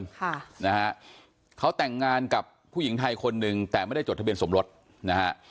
ค่ะนะฮะเขาแต่งงานกับผู้หญิงไทยคนหนึ่งแต่ไม่ได้จดทะเบียนสมรสนะฮะ